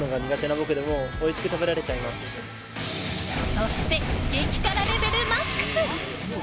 そして激辛レベルマックス。